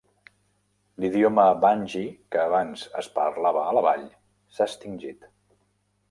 L'idioma vanji, que abans es parlava a la vall, s'ha extingit.